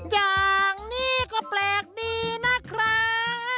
อย่างนี้ก็แปลกดีนะครับ